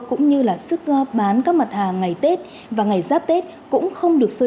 cũng như là sức bán các mặt hàng ngày tết và ngày giáp tết cũng không được xuất